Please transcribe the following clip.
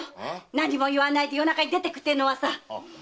何も言わないで夜中に出てくっていうのはさ！